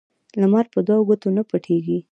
لمر په دوو ګوتو نه پټیږي